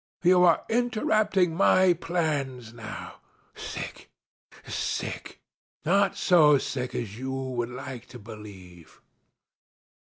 You are interrupting my plans now. Sick! Sick! Not so sick as you would like to believe.